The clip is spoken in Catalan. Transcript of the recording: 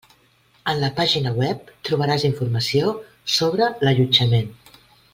En la pàgina web trobaràs informació sobre l'allotjament.